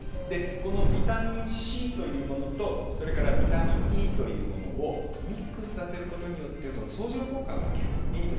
このビタミンＣというものとそれからビタミンＥというものをミックスさせることによって相乗効果が起きる。